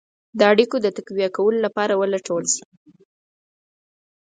د اړېکو د تقویه کولو لپاره ولټول شي.